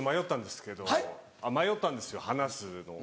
迷ったんですよ話すのを。